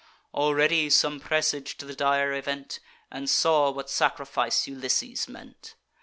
Already some presag'd the dire event, And saw what sacrifice Ulysses meant.